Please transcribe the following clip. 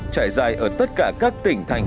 trải dài ở tất cả các tỉnh thành